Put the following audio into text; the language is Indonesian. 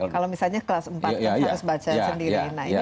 kalau misalnya kelas empat harus baca